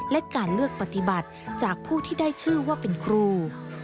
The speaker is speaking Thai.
และการเลือกปฏิบัติจากผู้ที่ได้ชื่อว่าเป็นครู